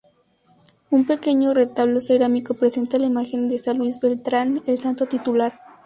Un pequeño retablo cerámico presenta la imagen de San Luis Beltrán, el santo titular.